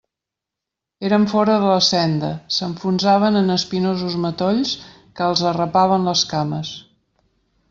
Eren fora de la senda; s'enfonsaven en espinosos matolls que els arrapaven les cames.